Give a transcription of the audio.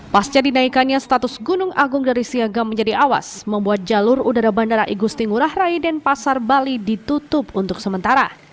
pasca dinaikannya status gunung agung dari siaga menjadi awas membuat jalur udara bandara igusti ngurah rai dan pasar bali ditutup untuk sementara